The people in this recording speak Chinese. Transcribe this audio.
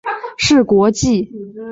是国际法院成立以来首位华人院长。